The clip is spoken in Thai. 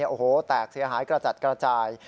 โอ้โหแตกเสียหายกระจัดกระจาย